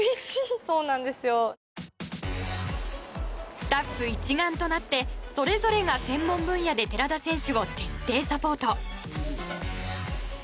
スタッフ一丸となってそれぞれが専門分野で寺田選手を徹底サポート。